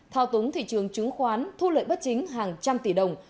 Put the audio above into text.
thao túng thị trường chứng khoán thu lợi bất chính hàng trăm tỷ đồng